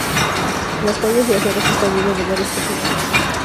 Las calles y aceras están llenas de varios personajes.